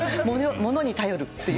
物に頼るっていう。